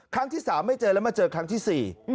ครั้งที่๓ไม่เจอแล้วมาเจอครั้งที่๔